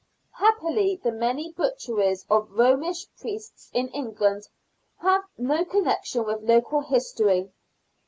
Happily, the many butcheries of Romish priests in England have no connection with local history.